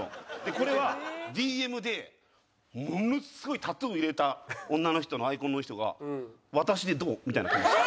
これはＤＭでものすごいタトゥーを入れた女の人のアイコンの人が「私でどう？」みたいなの来ました。